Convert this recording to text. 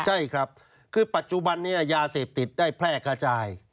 ใช่ครับคือปัจจุบันนี้ยาเสพติดได้แพร่กระจาย